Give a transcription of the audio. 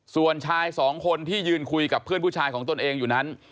ส่วนชายสองคนที่ยืนคุยกับเพื่อนผู้ชายของตนเองอยู่นั้น